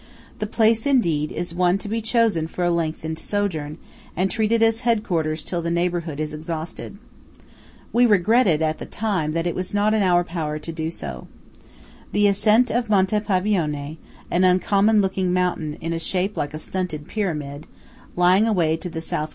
The place, indeed, is one to be chosen for a lengthened sojourn, and treated as headquarters till the neighbourhood is exhausted. We regretted at the time that it was not in our power to do so. The ascent of Monte Pavione (an uncommon looking mountain in shape like a stunted pyramid, lying away to the S.W.